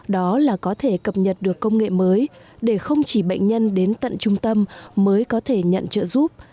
đó là có thể cập nhật được công nghệ mới để không chỉ bệnh nhân đến tận trung tâm mới có thể nhận trợ giúp